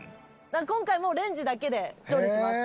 今回もレンジだけで調理します。